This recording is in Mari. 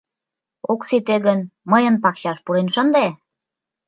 Ок сите гын, мыйын пакчаш пурен шынде.